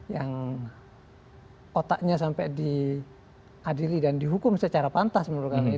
yang otaknya sampai diadili dan dihukum secara pantas menurut kami